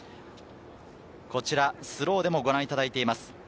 こちらスローでもご覧いただいています。